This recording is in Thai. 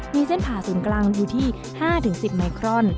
มีเส้นผ่าศูนย์กลางอยู่ที่๕๑๐ไมครอน